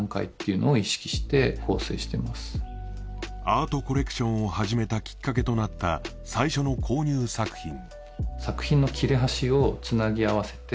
アートコレクションを始めたきっかけとなった最初の購入作品